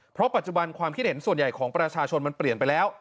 เพราะปัจจุบันความคิดเห็นส่วนใหญ่ของประชาชนมันเปลี่ยนไปแล้ว